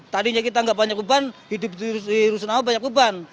tadinya kita nggak banyak beban hidup di rusun awa banyak beban